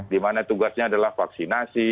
dimana tugasnya adalah vaksinasi